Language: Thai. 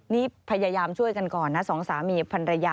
นี่พยายามช่วยกันก่อนนะสองสามีพันรยา